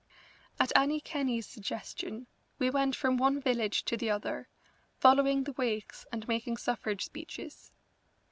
At Annie Kenney's suggestion we went from one village to the other, following the Wakes and making suffrage speeches.